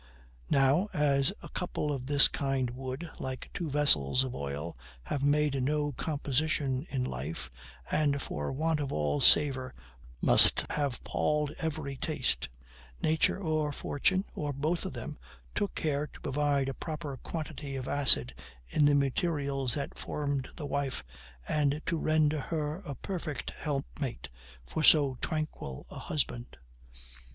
Now, as a couple of this kind would, like two vessels of oil, have made no composition in life, and for want of all savor must have palled every taste; nature or fortune, or both of them, took care to provide a proper quantity of acid in the materials that formed the wife, and to render her a perfect helpmate for so tranquil a husband.